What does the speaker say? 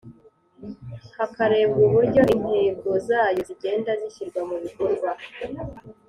hakarebwa uburyo intego zayo zigenda zishyirwa mu bikorwa